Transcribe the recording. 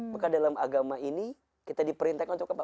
maka dalam agama ini kita diperintahkan untuk apa